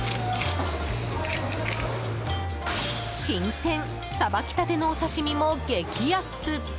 新鮮、さばきたてのお刺し身も激安！